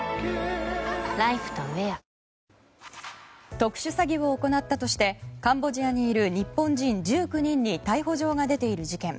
特殊詐欺を行ったとしてカンボジアにいる日本人１９人に逮捕状が出ている事件。